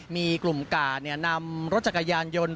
มีกลุ่มกาดนำรถจักรยานยนต์